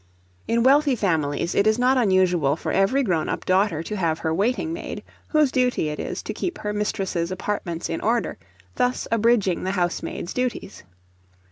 In wealthy families it is not unusual for every grown up daughter to have her waiting maid, whose duty it is to keep her mistress's apartments in order, thus abridging the housemaid's duties.